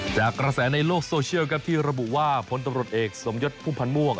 จากกระแสในโลกโซเชียลครับที่ระบุว่าพลตำรวจเอกสมยศพุ่มพันธ์ม่วง